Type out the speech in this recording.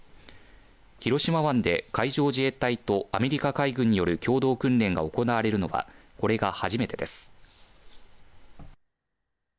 広島湾で海上自衛隊とアメリカ海軍による共同訓練が行われるのはこれが初めてです。